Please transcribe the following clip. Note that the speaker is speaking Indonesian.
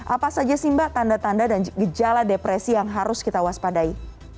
apa saja sih mbak tanda tanda dan gejala depresi yang harus kita waspadai